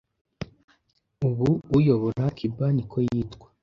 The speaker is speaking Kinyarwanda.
ubu uyobora cuba niko yitwa